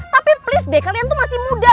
tapi please deh kalian tuh masih muda